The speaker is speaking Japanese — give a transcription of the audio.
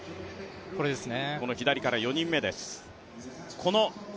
この左から４人目です。